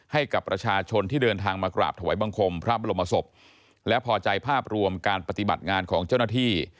ให้กับประชาชนที่เดินทางมากราบถวายบังคมพระบรมศพและพอใจภาพรวมการปฏิบัติงานของเจ้าหน้าที่